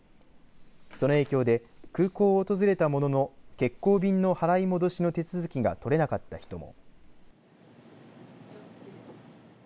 その影響で空港を訪れたものの欠航便の払い戻しの手続きが取れなかった人も。